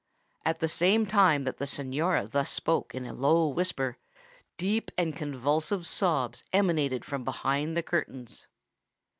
At the same time that the Signora thus spoke in a low whisper, deep and convulsive sobs emanated from behind the curtains.